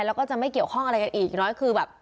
แล้วก็จะไม่เกี่ยวข้องอะไรกันอีกน้อยคือแบบ